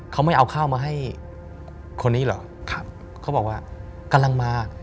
เขาไม่เอาข้าวมาให้คนนี้เหรอครับเขาบอกว่ากำลังมา